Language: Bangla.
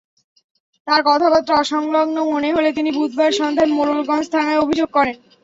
তাঁর কথাবার্তা অসংলগ্ন মনে হলে তিনি বুধবার সন্ধ্যায় মোরেলগঞ্জ থানায় অভিযোগ করেন।